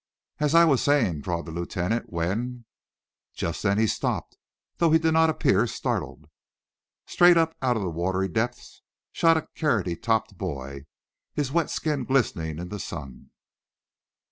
"As I was saying," drawled the lieutenant, "when " Just then he stopped, though he did not appear startled. Straight up out of the watery depths shot a Carroty topped boy, his wet skin glistening in the sun.